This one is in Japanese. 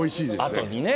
あとにね。